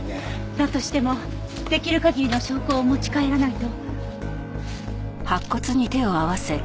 だとしても出来る限りの証拠を持ち帰らないと。